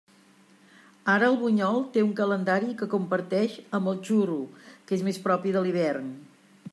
Ara el bunyol té un calendari que comparteix amb el xurro, que és més propi de l'hivern.